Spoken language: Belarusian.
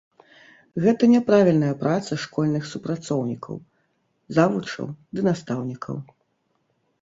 Гэта няправільная праца школьных супрацоўнікаў, завучаў ды настаўнікаў.